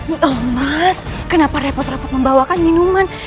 namas kenapa repot repot membawakan minuman